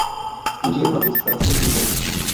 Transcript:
O dinheiro na bolsa estará sempre em voga.